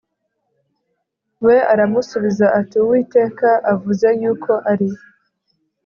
we aramusubiza ati uwiteka avuze yuko ari